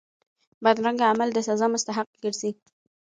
بدرنګه عمل د سزا مستحق ګرځي